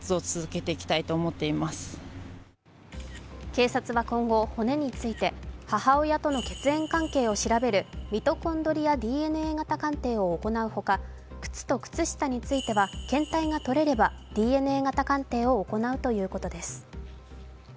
警察は今後、骨について母親との血縁関係を調べるミトコンドリアＤＮＡ型鑑定を行うほか靴と靴下については検体が取れれば、ＤＮＡ型鑑定を行うということです。